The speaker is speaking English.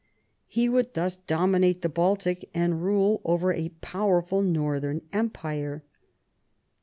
He would thus dominate the Baltic and rule over a powerful noithem empire.